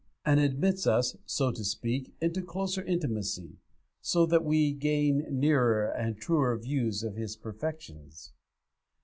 ] and admits us, so to speak, into closer intimacy, so that we gain nearer and truer views of His perfections.